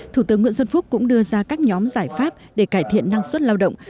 thủ tướng nguyễn xuân phúc cũng đưa ra các nhóm giải pháp để cải thiện năng suất lao động